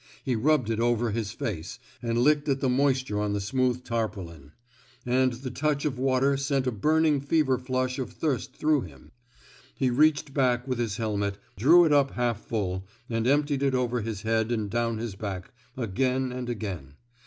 He rubbed it over his face, and licked at the moisture on the smooth tarpaulin; and the touch of water sent a burning fever flush of thirst through him. He reached down with his helmet, drew it up half full, and emptied it over his head and down his back, again and again.